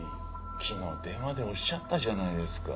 昨日電話でおっしゃったじゃないですか。